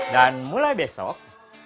dan mulai besok